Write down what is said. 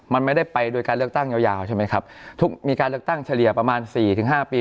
มันไม่ได้ไปโดยการเลือกตั้งยาวยาวใช่ไหมครับทุกมีการเลือกตั้งเฉลี่ยประมาณสี่ถึงห้าปี